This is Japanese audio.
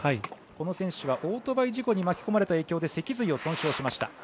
この選手はオートバイ事故に巻き込まれた影響で脊髄を損傷しました。